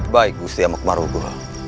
baik ustia makhmur ugo